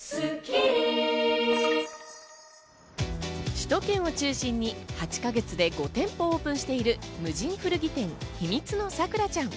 首都圏を中心に８か月で５店舗をオープンしている無人古着店、秘密のさくらちゃん。